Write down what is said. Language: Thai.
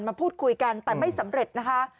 มาพูดคุยกันแต่ไม่สำเร็จนะคะ